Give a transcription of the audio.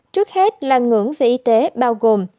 trước hết là ngưỡng về y tế bao gồm